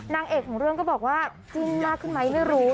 นางเอกของเรื่องก็บอกว่าจิ้นมากขึ้นไหมไม่รู้